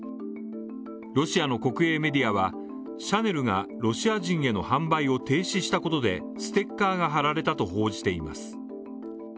ロシアの国営メディアはシャネルがロシア人への販売を停止したことでステッカーが貼られたと報じています。